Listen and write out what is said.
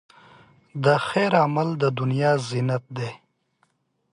د خیر عمل، د دنیا زینت دی.